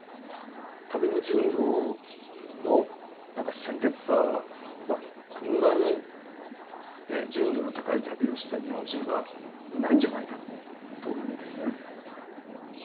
旅の純度の何か鮮烈さはこんなに純度の高い旅をした日本人はいないんじゃないかと思うんですね。